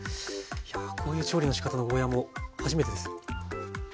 いやこういう調理のしかたのゴーヤーも初めてです。